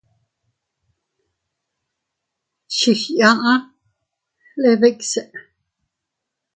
Chigkiaʼale dikse.